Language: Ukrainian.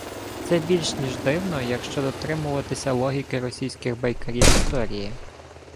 Це більш ніж дивно, якщо дотримуватися логіки російських «байкарів історії»